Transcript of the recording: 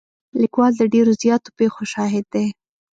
لیکوال د ډېرو زیاتو پېښو شاهد دی.